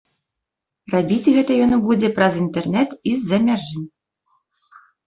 Рабіць гэта ён будзе праз інтэрнэт і з-за мяжы.